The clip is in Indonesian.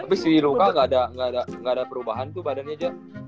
tapi si roka gak ada perubahan tuh badannya aja